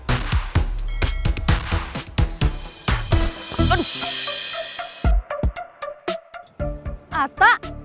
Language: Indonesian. balik nggak takut dong